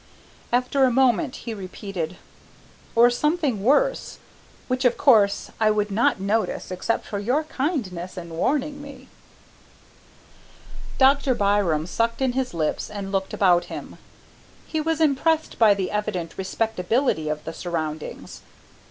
After a moment he repeated, "Or something worse, which of course I would not notice except for your kindness in warning me." Dr. Byram sucked in his lips and looked about him. He was impressed by the evident respectability of the surroundings.